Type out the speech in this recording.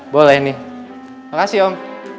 boleh nih makasih om